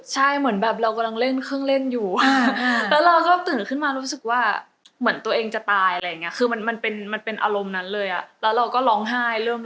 ใช่เหมือนแบบเรากำลังเล่นเครื่องเล่นอยู่แล้วเราก็ตื่นขึ้นมารู้สึกว่าเหมือนตัวเองจะตายอะไรอย่างเงี้ยคือมันมันเป็นมันเป็นอารมณ์นั้นเลยอ่ะแล้วเราก็ร้องไห้เริ่ม